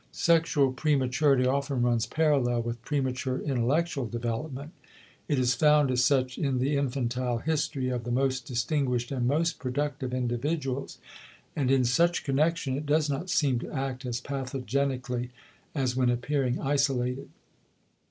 Sexual prematurity often runs parallel with premature intellectual development; it is found as such in the infantile history of the most distinguished and most productive individuals, and in such connection it does not seem to act as pathogenically as when appearing isolated.